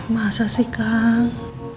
masa sih kang